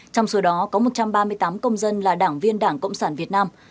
trong số đó có một trăm ba mươi tám công dân là đảng viên đảng cộng sản việt nam